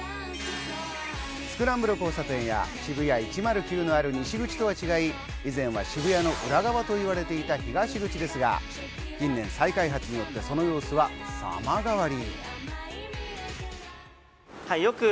スクランブル交差点や、ＳＨＩＢＵＹＡ１０９のある西口とは違い、以前は渋谷の裏側と言われていた東口ですが、近年、再開発で、その様子は様変わり。